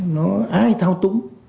nó ai thao túng